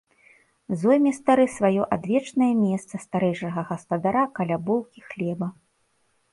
Зойме стары сваё адвечнае месца старэйшага гаспадара каля булкі хлеба.